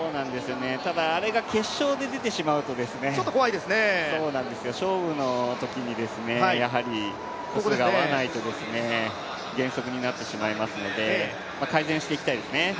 ただあれが決勝で出てしまうと勝負のときに歩数が合わないと減速になってしまいますので改善していきたいですね。